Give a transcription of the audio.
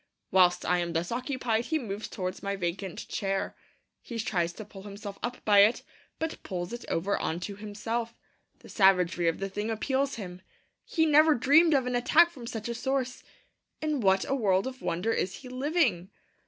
Whilst I am thus occupied, he moves towards my vacant chair. He tries to pull himself up by it, but pulls it over on to himself. The savagery of the thing appals him; he never dreamed of an attack from such a source. In what a world of wonder is he living!